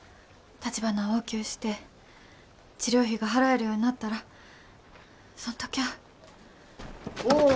たちばなを大きゅうして治療費が払えるようになったらそん時ゃあ。